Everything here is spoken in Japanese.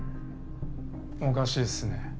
おかしいですね。